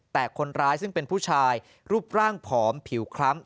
แต่คนร้ายซึ่งเป็นผู้ชายรูปร่างผอมผิวคล้ำ